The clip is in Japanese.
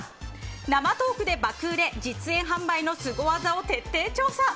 生トークで爆売れ実演販売のスゴ技を徹底調査。